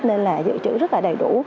nên là dự trữ rất là đầy đủ